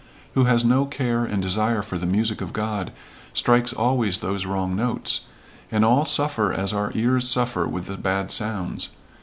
Who has no care and desire for the music of God, strikes always those wrong notes, and all suffer as our ears suffer with the bad sounds.